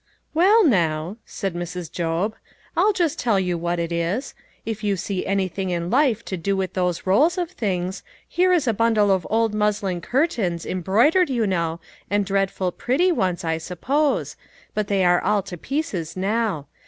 "Well, now," said Mrs. Job, "I'll just tell you what it is. If you see anything in life to do with these rolls of things, here is a bundle of old muslin curtains, embroidered, you know, and dreadful pretty once, I suppose, but they are all to pieces now.